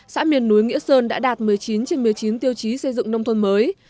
xã miền núi nghĩa sơn đã đạt một mươi chín trên một mươi chín tiêu chí xây dựng nông thôn mới